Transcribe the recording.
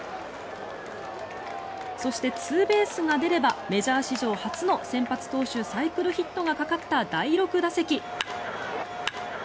そして、ツーベースが出ればメジャー史上初の先発投手サイクルヒットがかかった第６打席。